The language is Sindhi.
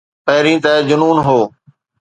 پهرين ته جنون هو.